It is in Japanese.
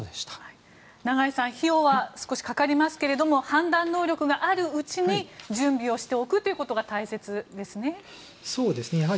長井さん費用は少しかかりますが判断能力があるうちに準備をしておくというのが大切ですね。